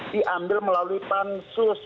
diambil melalui pansus